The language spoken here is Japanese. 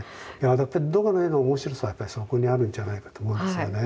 ドガの絵の面白さはやっぱりそこにあるんじゃないかと思うんですよね。